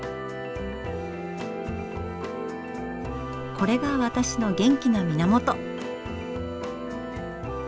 これが私の元気の源！